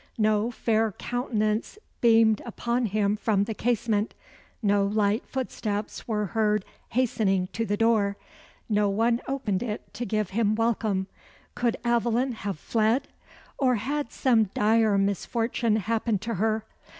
No fair countenance beamed upon him from the casement; no light footsteps were heard hastening to the door; no one opened it to give him welcome. Could Aveline have fled'? or had some dire misfortune happened to her.